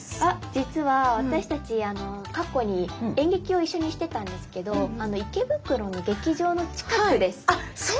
実は私たち過去に演劇を一緒にしてたんですけど池袋の劇場の近くです。